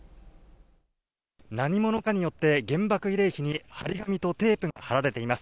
何者かによって原爆慰霊碑に、貼り紙とテープが貼られています。